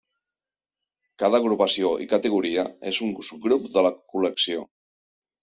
Cada agrupació i categoria és un subgrup de la col·lecció.